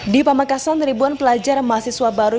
di pamekasan ribuan pelajar mahasiswa baru